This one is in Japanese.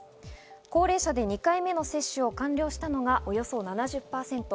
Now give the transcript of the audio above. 高齢者で２回目の接種を完了したのが、およそ７０％。